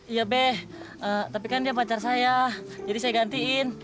iya beh tapi kan dia pacar saya jadi saya gantiin